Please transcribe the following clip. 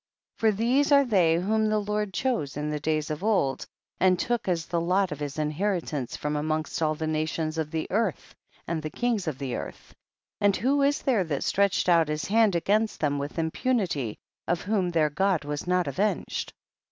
THE BOOK OF JASHER. 211 28. For these are they whom the Lord chose in days of old, and look as the lot of his inheritance from amongst all the nations of the earth and the kings of the earth ; and who is there that stretched his hand against them with impunity, of whom their God was not avenged